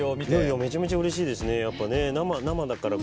めちゃめちゃうれしいですね。